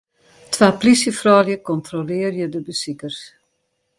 Twa plysjefroulju kontrolearje de besikers.